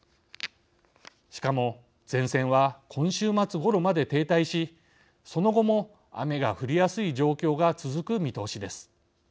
しかも前線は今週末ごろまで停滞しその後も雨が降りやすい状況が続く見通しです。